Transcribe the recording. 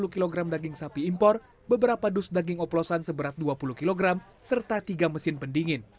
dua puluh kg daging sapi impor beberapa dus daging oplosan seberat dua puluh kg serta tiga mesin pendingin